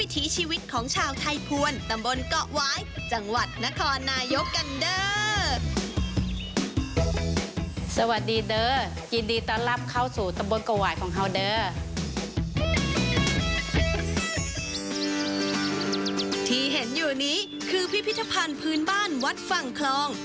ที่เห็นอยู่นี้คือพิพิธภัณฑ์พื้นบ้านวัดฝั่งคลอง